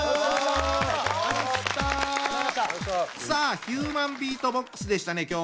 さあヒューマンビートボックスでしたね